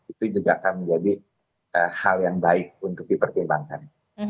itu juga akan menjadi hal yang baik untuk dipertimbangkan